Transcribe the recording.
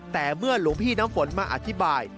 แต่เมื่อหลวงพี่น้ำฝนมาอธิบาย